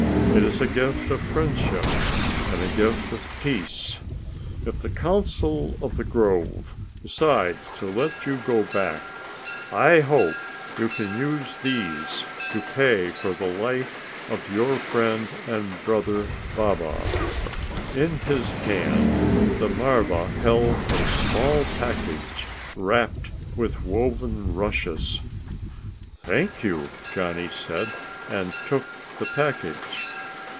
It is a gift of friendship and a gift of peace. If the Council of the Grove decides to let you go back, I hope you can use these to pay for the life of your friend and brother, Baba." In his hand the marva held a small package wrapped with woven rushes. "Thank you," Johnny said, and took the package.